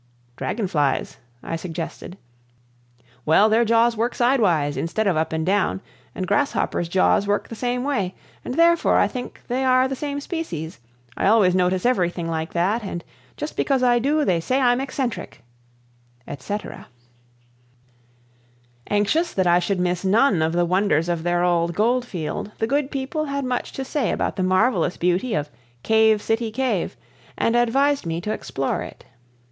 "Dragon flies," I suggested. "Well, their jaws work sidewise, instead of up and down, and grasshoppers' jaws work the same way, and therefore I think they are the same species. I always notice everything like that, and just because I do, they say I'm eccentric," etc. Anxious that I should miss none of the wonders of their old gold field, the good people had much to say about the marvelous beauty of Cave City Cave, and advised me to explore it.